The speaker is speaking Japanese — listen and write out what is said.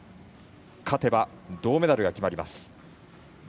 勝てば銅メダルが決まります。